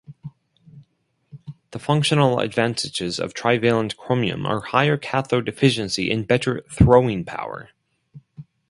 The functional advantages of trivalent chromium are higher cathode efficiency and better throwing power.